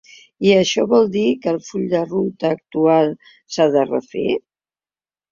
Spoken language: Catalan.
I això vol dir que el full de ruta actual s’ha de refer?